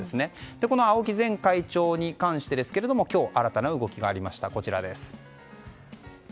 青木前会長に関しては今日新たな動きがありました。